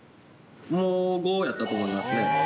もう５やったと思いますね。